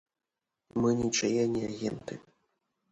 Мы нічые не агенты.